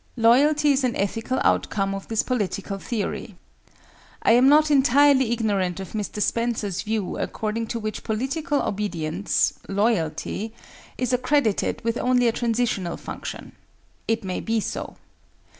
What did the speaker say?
Loyalty is an ethical outcome of this political theory. I am not entirely ignorant of Mr. Spencer's view according to which political obedience—Loyalty—is accredited with only a transitional function. It may be so.